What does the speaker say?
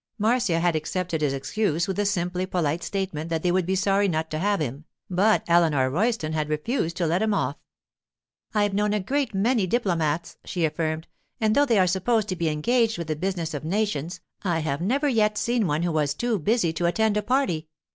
Marcia had accepted his excuse with the simply polite statement that they would be sorry not to have him, but Eleanor Royston had refused to let him off. 'I've known a great many diplomats,' she affirmed; 'and though they are supposed to be engaged with the business of nations, I have never yet seen one who was too busy to attend a party.